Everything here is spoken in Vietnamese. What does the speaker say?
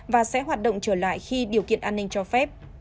và sẽ hoạt động trở lại khi điều kiện an ninh cho phép